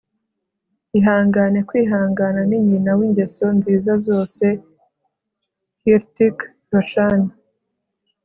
ihangane. kwihangana ni nyina w'ingeso nziza zose. - hrithik roshan